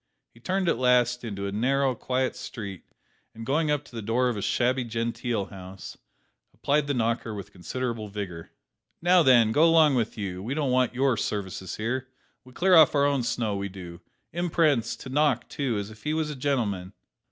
He turned at last into a narrow, quiet street, and going up to the door of a shabby genteel house, applied the knocker with considerable vigour. "Now then, go along with you; we don't want your services here; we clear off our own snow, we do. Imprence! to knock, too, as if he was a gentleman!"